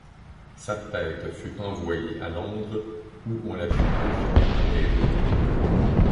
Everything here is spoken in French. Sa tête fut envoyée à Londres où on la fit défiler dans les rues.